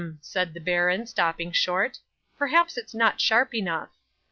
said the baron, stopping short. "Perhaps it's not sharp enough."